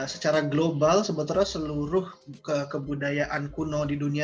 secara global sebetulnya seluruh kebudayaan kuno di dunia